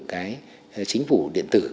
cái chính phủ điện tử